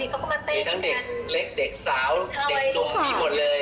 มีทั้งเด็กเล็กเด็กสาวเด็กหนุ่มมีหมดเลย